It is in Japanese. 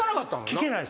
聞けないです。